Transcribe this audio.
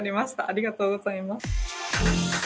ありがとうございます。